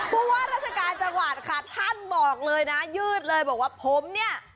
พูดว่ากราชการส่วนขนาดของค่ะท่านหมอกเลยนะยืดเลยบอกว่าผมเนี่ย